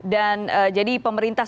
dan jadi pemerintah